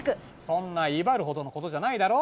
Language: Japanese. そんな威張るほどのことじゃないだろ。